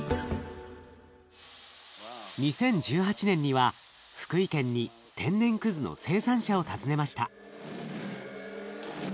２０１８年には福井県に天然くずの生産者を訪ねました。